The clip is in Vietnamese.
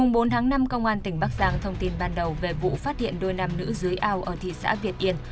ngày bốn tháng năm công an tỉnh bắc giang thông tin ban đầu về vụ phát hiện đôi nam nữ dưới ao ở thị xã việt yên